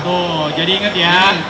tuh jadi inget ya